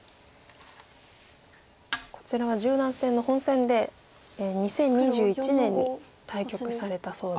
こちらは十段戦の本戦で２０２１年に対局されたそうで。